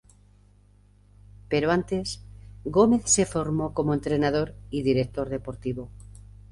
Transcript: Pero antes, Gómez se formó como entrenador y director deportivo.